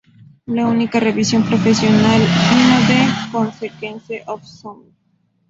La única revisión profesional vino de Consequence of Sound.